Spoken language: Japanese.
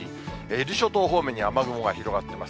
伊豆諸島方面に雨雲が広がってます。